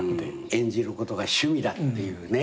演じることが趣味だっていうね。